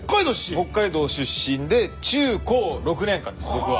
北海道出身で中高６年間です僕は。